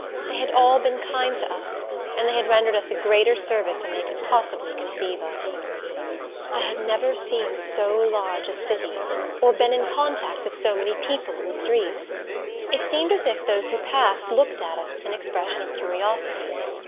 They had all been kind to us, and they had rendered us a greater service than they could possibly conceive of. I had never seen so large a city, or been in contact with so many people in the streets. It seemed as if those who passed looked at us with an expression of curiosity.